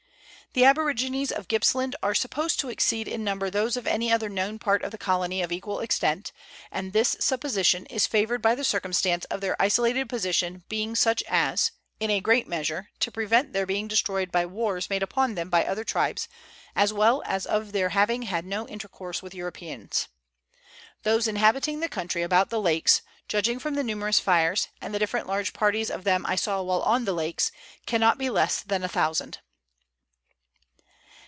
The aborigines of Grippsland are supposed to exceed in number those of any other known part of the colony of equal extent ; and this supposition is favoured by the circumstance of their isolated position being such as, in a great measure, to prevent their being destroyed by wars made upon them by other tribes, as well as of their having had no intercourse with Europeans. Those inhabiting the country about the lakes, judging from the numerous fires, and the different large parties of them I saw while on the lakes, cannot be less than a thousand.